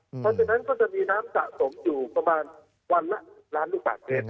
เพราะฉะนั้นก็จะมีน้ำสะสมอยู่ประมาณวันละล้านลูกบาทเมตร